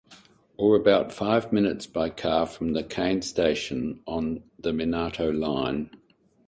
Or about five minutes by car from Nakane Station on the Minato Line.